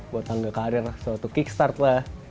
buat tangga karir so to kickstart lah